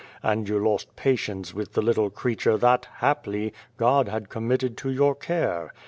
And you lost patience with the little creature that, haply, God had committed to your care.